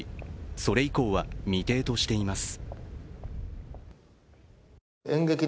それ以降は未定としています。